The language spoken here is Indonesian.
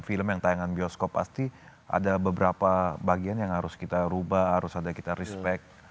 film yang tayangan bioskop pasti ada beberapa bagian yang harus kita rubah harus ada kita respect